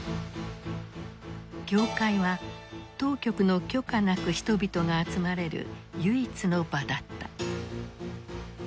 教会は当局の許可なく人々が集まれる唯一の場だった。